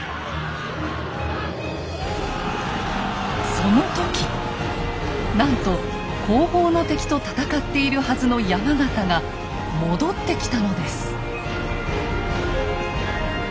その時なんと後方の敵と戦っているはずの山県が戻ってきたのです。